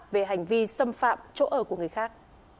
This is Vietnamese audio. về hành vi xâm phạm chỗ ở của người khác